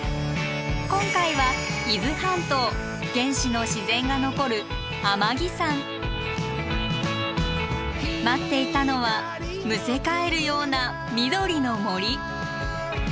今回は伊豆半島原始の自然が残る待っていたのはむせ返るような緑の森。